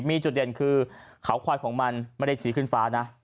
มีจุดเด่นคือเขาควายของมันไม่ได้ชี้ขึ้นฟ้านะ